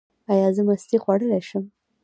ایا زه مستې خوړلی شم؟